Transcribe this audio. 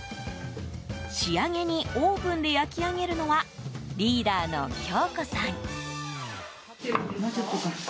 仕上げにオーブンで焼き上げるのはリーダーの京子さん。